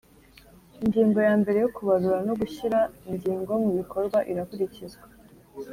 ingingo ya mbere yo kubarura no gushyira ingingo mubikorwa irakurikizwa